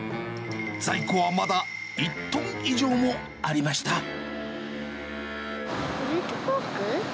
在庫はまだ１トン以上もありました。